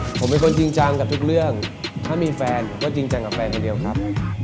ผมเป็นคนจริงจังกับทุกเรื่องถ้ามีแฟนผมก็จริงจังกับแฟนคนเดียวครับ